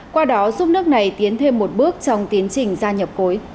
qua đó giúp nước này tiến thêm một bước trong tiến trình gia nhập khối